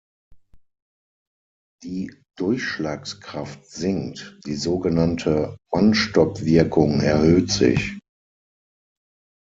Die Durchschlagskraft sinkt, die sogenannte Mannstoppwirkung erhöht sich.